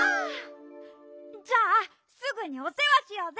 じゃあすぐにおせわしようぜ！